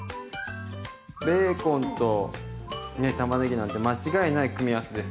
ベーコンと玉ねぎなんて間違いない組み合わせですね。